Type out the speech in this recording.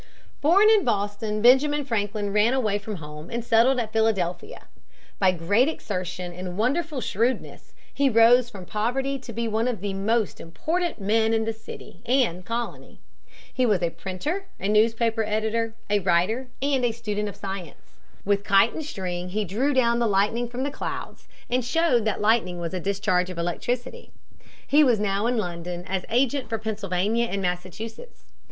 Born in Boston, Benjamin Franklin ran away from home and settled at Philadelphia. By great exertion and wonderful shrewdness he rose from poverty to be one of the most important men in the city and colony. He was a printer, a newspaper editor, a writer, and a student of science. With kite and string he drew down the lightning from the clouds and showed that lightning was a discharge of electricity. He was now in London as agent for Pennsylvania and Massachusetts.